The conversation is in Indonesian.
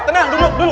tenang dulu dulu